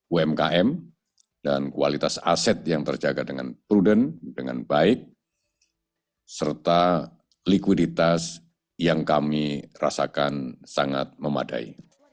umkm dan kualitas aset yang terjaga dengan prudent dengan baik serta likuiditas yang kami rasakan sangat memadai